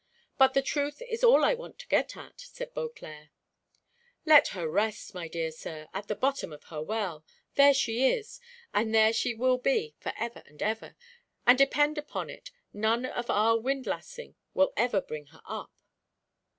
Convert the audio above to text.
"But the truth is all I want to get at," said Beauclerc. "Let her rest, my dear sir, at the bottom of her well; there she is, and there she will be for ever and ever, and depend upon it none of our windlassing will ever bring her up."